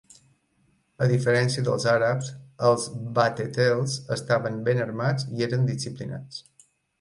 A diferència dels àrabs, els batetels estaven ben armats i eren disciplinats.